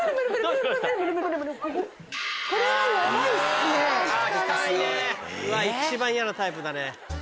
うわ一番嫌なタイプだね。